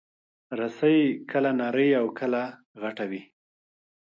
رسۍ کله نرۍ او کله غټه وي.